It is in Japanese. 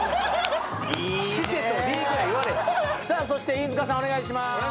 そして飯塚さんお願いします。